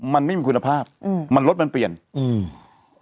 มันไม่มีคุณภาพอืมมันรถมันเปลี่ยนอืม